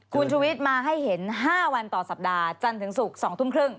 คุณชุวิตมาให้เห็น๕วันต่อสัปดาห์จันทร์ถึงศุกร์๒ทุ่มครึ่ง